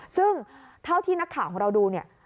ซึ่งเท่าที่นักข่าวของเราดูเนี่ย